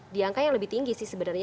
di angka yang lebih tinggi sih sebenarnya